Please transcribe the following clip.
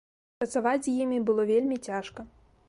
Працаваць з імі было вельмі цяжка.